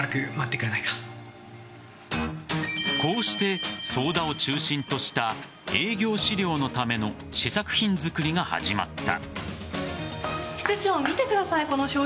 こうして早田を中心とした営業資料のための試作品づくりが始まった。